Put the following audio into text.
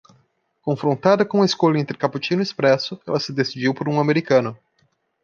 Confrontada com a escolha entre cappuccino e espresso, ela se decidiu por um americano.